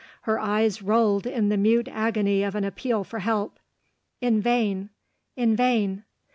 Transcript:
Her eyes rolled in the mute agony of an appeal for help. In vain! in vain!